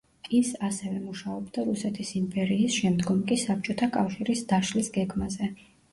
ის, ასევე, მუშაობდა რუსეთის იმპერიის, შემდგომ კი საბჭოთა კავშირის დაშლის გეგმაზე.